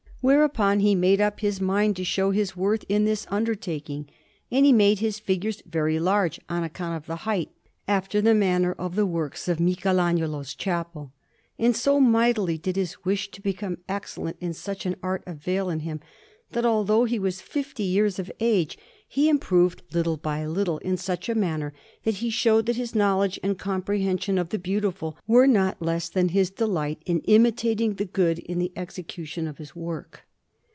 Whereupon he made up his mind to show his worth in this undertaking, and he made his figures very large on account of the height, after the manner of the works in Michelagnolo's chapel. And so mightily did his wish to become excellent in such an art avail in him, that although he was fifty years of age, he improved little by little in such a manner, that he showed that his knowledge and comprehension of the beautiful were not less than his delight in imitating the good in the execution of his work.